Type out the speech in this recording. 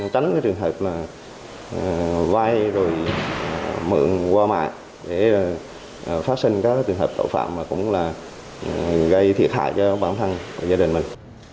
tránh cái trường hợp vay rồi mượn qua mạng để phát sinh các trường hợp tội phạm mà cũng là gây thiệt hại cho bản thân và gia đình mình